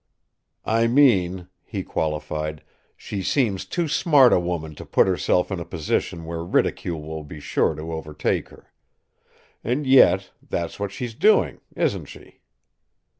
"I mean," he qualified, "she seems too smart a woman to put herself in a position where ridicule will be sure to overtake her. And yet, that's what she's doing isn't she?"